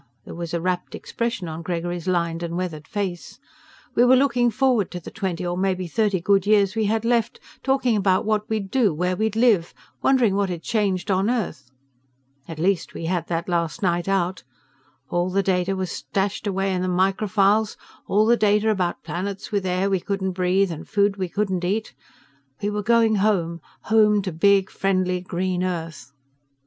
There was a rapt expression on Gregory's lined and weathered face. "We were looking forward to the twenty or maybe thirty good years we had left, talking about what we'd do, where we'd live, wondering what had changed on Earth. At least we had that last night out. All the data was stashed away in the microfiles, all the data about planets with air we couldn't breathe and food we couldn't eat. We were going home, home to big, friendly, green Earth."